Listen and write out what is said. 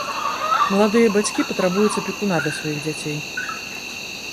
Маладыя бацькі патрабуюць апекуна для сваіх дзяцей.